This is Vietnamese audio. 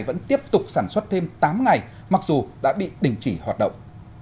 vẫn tiếp tục sản xuất thêm tám ngày mặc dù đã bị đình chỉ hoạt động